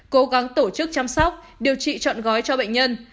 cố gắng tổ chức chăm sóc điều trị trọn gói cho bệnh nhân